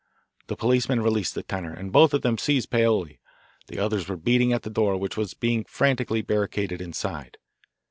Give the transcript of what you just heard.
The policeman released the tenor, and both of them seized Paoli. The others were beating at the door, which was being frantically barricaded inside.